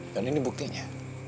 dan ini buktinya